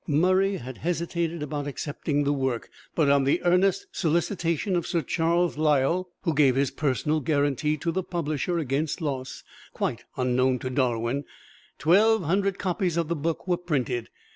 Murray had hesitated about accepting the work, but on the earnest solicitation of Sir Charles Lyell, who gave his personal guarantee to the publisher against loss, quite unknown to Darwin, twelve hundred copies of the book were printed.